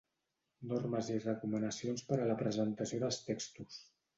Normes i recomanacions per a la presentació dels textos.